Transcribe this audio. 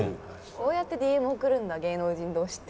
こうやってＤＭ送るんだ芸能人同士って。